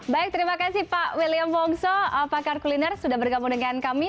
baik terima kasih pak william wongso pakar kuliner sudah bergabung dengan kami